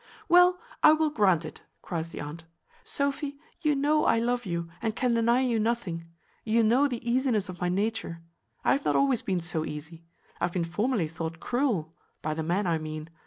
"Well, I will grant it," cries the aunt. "Sophy, you know I love you, and can deny you nothing. You know the easiness of my nature; I have not always been so easy. I have been formerly thought cruel; by the men, I mean.